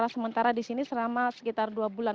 sementara di sini selama sekitar dua bulan